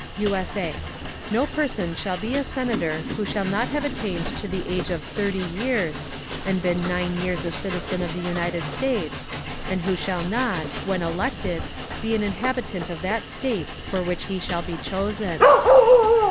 [USA] No person shall be a Senator who shall not have attained to the Age of thirty Years, and been nine Years a Citizen of the United States, and who shall not, when elected, be an Inhabitant of that State for which he shall be chosen.